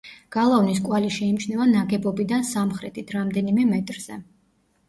გალავნის კვალი შეიმჩნევა ნაგებობიდან სამხრეთით რამდენიმე მეტრზე.